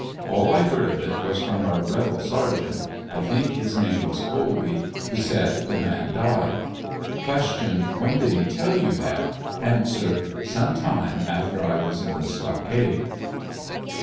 All I heard of it was from a rebel sergeant — I "think his name was Colby — he said the man died. Q. When did he tell you that? A. Some time after I was in the stockade.